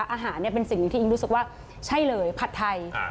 อาหารเนี่ยเป็นสิ่งหนึ่งที่อิงรู้สึกว่าใช่เลยผัดไทย